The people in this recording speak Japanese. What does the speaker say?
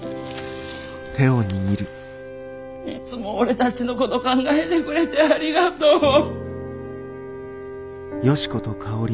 いつも俺たちのこと考えてくれてありがとう。